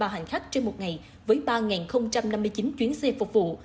sáu mươi bốn bốn trăm sáu mươi ba hành khách trên một ngày với ba năm mươi chín chuyến xe phục vụ